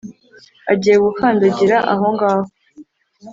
Agiye gukandagira ahongaho